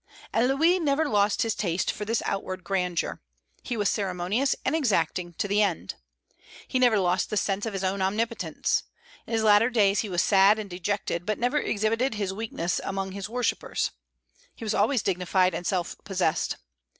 And Louis never lost his taste for this outward grandeur. He was ceremonious and exacting to the end. He never lost the sense of his own omnipotence. In his latter days he was sad and dejected, but never exhibited his weakness among his worshippers. He was always dignified and self possessed.